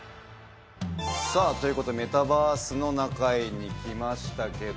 さあという事でメタバースの中に来ましたけど。